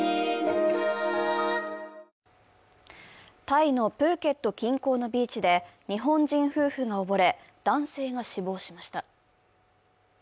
タイのプーケット近郊のビーチで、日本人夫婦が溺れ、男性が死亡しました。